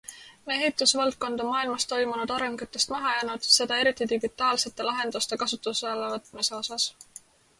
Meie ehitusvaldkond on maailmas toimunud arengutest maha jäänud, seda eriti digitaalsete lahenduste kasutusele võtmise osas.